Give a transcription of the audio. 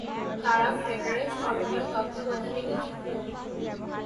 তারা ফেডারেল সরকার তত্ত্বাবধানে নিযুক্ত।